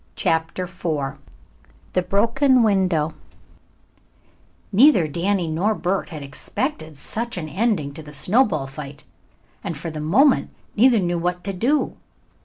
CHAPTER IV THE BROKEN WINDOW Neither Danny nor Bert had expected such an ending to the snowball fight and for the moment neither knew what to do.